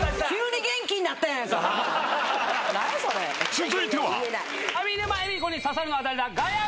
続いては！